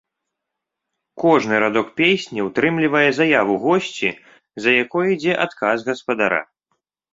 Кожны радок песні ўтрымлівае заяву госці, за якой ідзе адказ гаспадара.